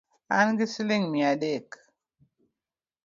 An gi siling mia adek